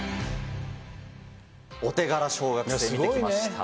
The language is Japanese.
お手柄小学生見てきました。